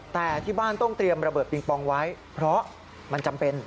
แต่ที่บ้านต้องเตรียมระเบิดปิงปองไว้เพราะมันจำเป็น